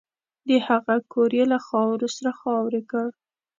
د هغه کور یې له خاورو سره خاورې کړ